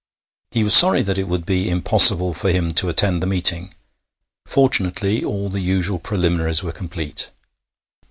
He was sorry that it would be impossible for him to attend the meeting; fortunately, all the usual preliminaries were complete.